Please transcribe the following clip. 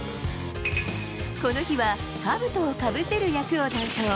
この日は、かぶとをかぶせる役を担当。